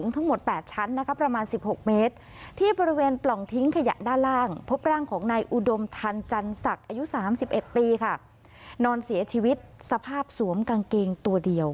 ทันจันทรักอายุ๓๑ปีค่ะนอนเสียชีวิตสภาพสวมกางเกงตัวเดียว